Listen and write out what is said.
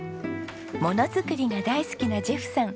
物作りが大好きなジェフさん。